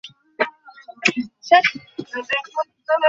এ কি করছিস?